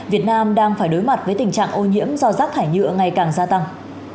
việt nam đang phải đối mặt với tình trạng ô nhiễm do rác thải nhựa ngày càng gia tăng